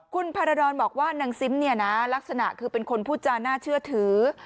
คุณพารดรบอกว่านางซิมเนี่ยนะลักษณะคือเป็นคนพูดจาน่าเชื่อถือ